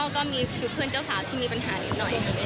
ก็มีชุดเพื่อนเจ้าสาวที่มีปัญหานิดหน่อย